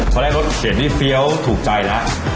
พอแรกเขาเขียนที่เฟี้ยวถูกใจแล้ว